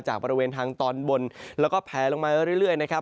บริเวณทางตอนบนแล้วก็แผลลงมาเรื่อยนะครับ